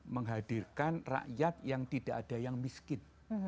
menghadirkan rakyat yang tidak ada yang miskin